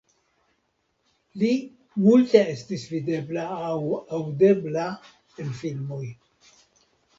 Li multe estis videbla aŭ aŭdebla en filmoj.